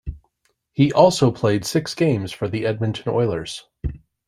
He also played six games for the Edmonton Oilers.